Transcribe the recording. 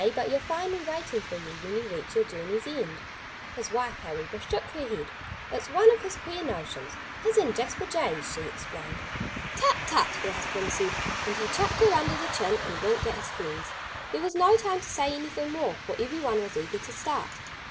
But you'll find me waiting for you when you reach your journey's end." His wife, however, shook her head. "It's one of his queer notions his and Jasper Jay's," she explained. "Tut, tut!" her husband said. And he chucked her under the chin and winked at his friends. There was no time to say anything more, for everyone was eager to start.